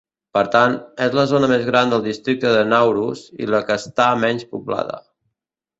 Per tant, és la zona més gran del districte de Naurus i la que està menys poblada.